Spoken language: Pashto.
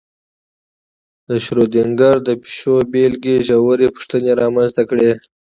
د شرودینګر د پیشو بېلګې ژورې پوښتنې رامنځته کړې.